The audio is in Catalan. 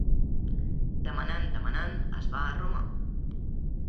Demanant, demanant, es va a Roma.